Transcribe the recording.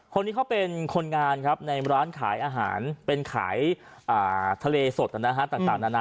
คนนี้เขาเป็นคนงานครับในร้านขายอาหารเป็นขายทะเลสดนะฮะต่างนานา